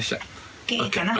ＯＫかな。